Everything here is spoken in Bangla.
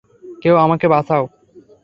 কেউ আমাকে বাঁচাও।